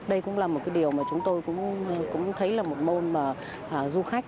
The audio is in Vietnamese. đây cũng là một điều mà chúng tôi cũng thấy là một môn du khách